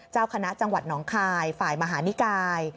เจ้าคณะจังหวัดหนองคายฝ่ายมหานิกาย